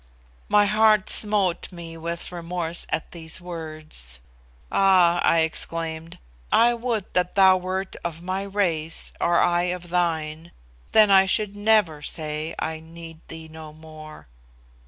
'" My heart smote me with remorse at these words. "Ah!" I exclaimed, "would that thou wert of my race or I of thine, then I should never say, 'I need thee no more.